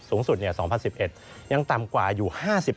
สูงสุด๒๐๑๑ยังต่ำกว่าอยู่๕๐